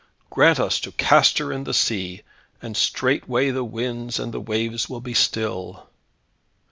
Grant us to cast her in the sea, and straightway the winds and the waves will be still."